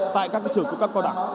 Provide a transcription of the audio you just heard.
tại các trường trung cấp cao đẳng